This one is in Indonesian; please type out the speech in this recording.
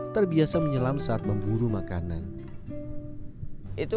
terbiasa menyelam sepanjang waktu di dalam air ini